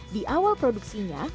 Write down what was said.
di awal produksinya